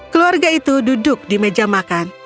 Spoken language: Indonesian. keluarga itu duduk di meja makan